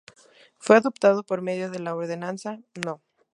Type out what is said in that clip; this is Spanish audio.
Fue adoptado por medio de la ordenanza No.